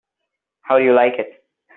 How do you like it?